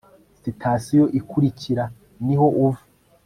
sitasiyo ikurikira niho uva